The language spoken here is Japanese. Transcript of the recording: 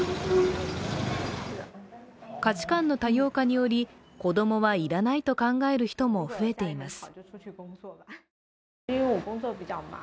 価値観の多様化により、子供はいらないと考える人も増えています。